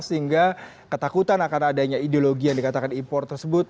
sehingga ketakutan akan adanya ideologi yang dikatakan impor tersebut